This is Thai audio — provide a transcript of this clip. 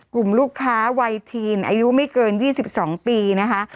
กลุ่มลูกค้าไวทีนอายุไม่เกิน๒๒ปีนะคะ